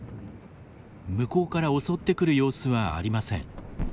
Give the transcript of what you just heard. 向こうから襲ってくる様子はありません。